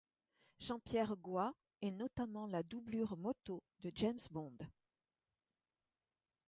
Jean-Pierre Goy est notamment la doublure moto de James Bond.